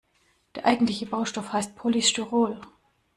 Der eigentliche Baustoff heißt Polystyrol.